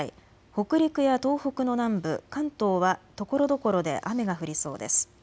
北陸や東北の南部、関東はところどころで雨が降りそうです。